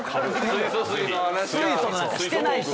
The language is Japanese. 水素のなんかしてないし。